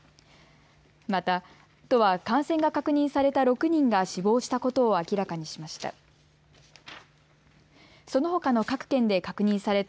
また、都は感染が確認された６人が死亡したことを明らかにしました。